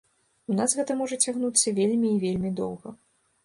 У нас гэта можа цягнуцца вельмі і вельмі доўга.